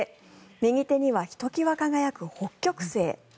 右手にはひときわ輝く北極星。